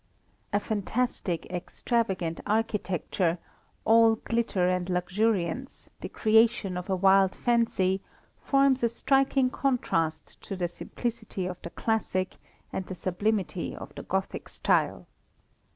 A fantastic, extravagant architecture, all glitter and luxuriance, the creation of a wild fancy, forms a striking contrast to the simplicity of the classic and the sublimity of the Gothic style.